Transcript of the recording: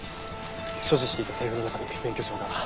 所持していた財布の中に免許証が。